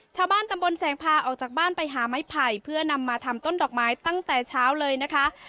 ชาวบ้านตำบลแสงพาออกจากบ้านไปหาไม้ไผ่เพื่อนำมาทำต้นดอกไม้ตั้งแต่เช้าเลยนะคะ